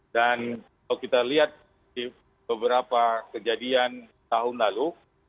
dan kalau kita lihat di beberapa kejadian tahun lalu